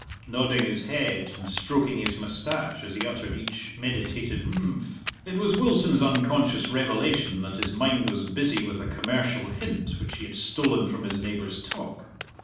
nodding his head and stroking his moustache as he uttered each meditative "imphm." It was Wilson's unconscious revelation that his mind was busy with a commercial hint which he had stolen from his neighbour's talk.